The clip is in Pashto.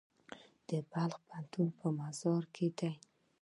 د بلخ پوهنتون په مزار کې دی